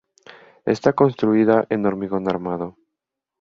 Está construida en hormigón armado.